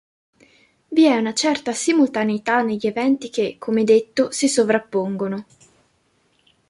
Vi è una certa simultaneità negli eventi che, come detto, si sovrappongono.